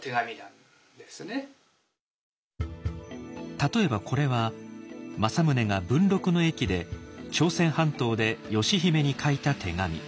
例えばこれは政宗が文禄の役で朝鮮半島で義姫に書いた手紙。